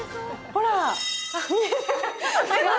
ほら。